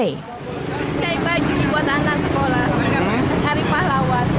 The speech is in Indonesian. ini baju buat anak sekolah hari pahlawan